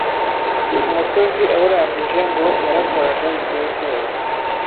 umusozi awurangije! Ngo yarakoraga biteye ubwoba.